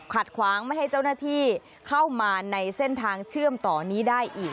ขวางไม่ให้เจ้าหน้าที่เข้ามาในเส้นทางเชื่อมต่อนี้ได้อีก